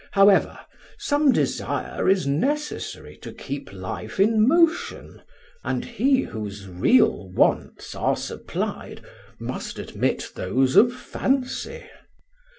However, some desire is necessary to keep life in motion; and he whose real wants are supplied must admit those of fancy."